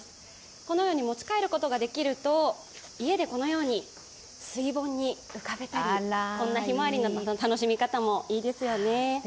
このように持ち帰ることができると家でこのように水盆に浮かべたり、こんなひまわりの楽しみ方もいいですよね。